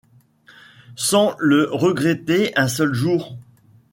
Sans le regretter un seul jour